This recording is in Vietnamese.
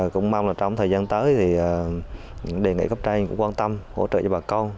cũng mong trong thời gian tới đề nghị cấp trai cũng quan tâm hỗ trợ cho bà con